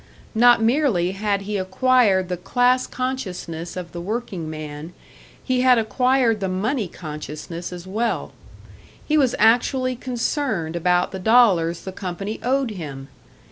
Not merely had he acquired the class consciousness of the working man, he had acquired the money consciousness as well. He was actually concerned about the dollars the company owed him!